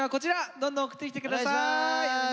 どんどん送ってきて下さい。